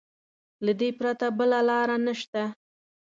له دې پرته بله لاره نشته.